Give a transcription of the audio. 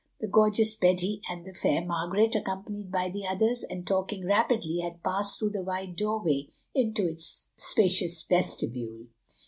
The gorgeous Betty and the fair Margaret, accompanied by the others, and talking rapidly, had passed through the wide doorway into its spacious vestibule.